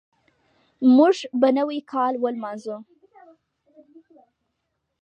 موږ به نوی کال ولمانځو.